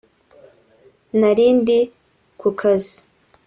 Nari ndi ku kazi